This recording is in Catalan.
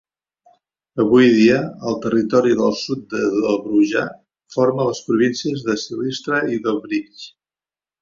Avui dia, el territori del sud de Dobruja forma les províncies de Silistra i Dobrich.